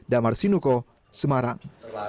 damar sinuko semarang